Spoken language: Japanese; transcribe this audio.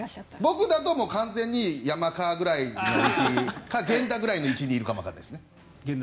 僕だと完全に山川くらいの位置か源田ぐらいの位置にいるかもわからないですね。